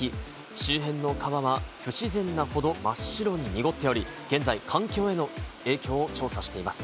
周辺の川は不自然なほど真っ白に濁っており、現在環境への影響を調査しています。